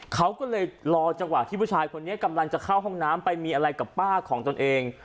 เขาก็เลยรอจังหวะที่ผู้ชายคนนี้กำลังจะเข้าห้องน้ำไปมีอะไรกับป้าของตนเอง